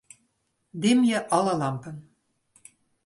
Dimje alle lampen.